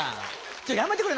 ちょっやめてくれ！